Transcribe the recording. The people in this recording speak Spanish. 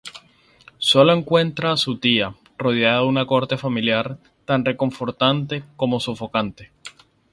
Solo encuentra a su tía, rodeada de una corte familiar tan reconfortante como sofocante.